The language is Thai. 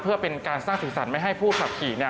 เพื่อเป็นการสร้างสีสันไม่ให้ผู้ขับขี่